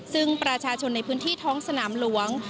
ซึ่งประชาชนในพื้นที่ท้องสนามหลวง